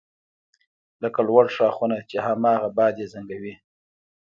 لکه لوړ ښاخونه چې هماغه باد یې زنګوي